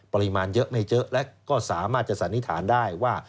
ปริมาณเยอะไม่เยอะและก็สามารถจะสันนิษฐานได้ว่า